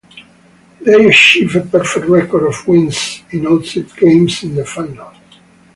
They achieved a perfect record of wins in all six games in the finals.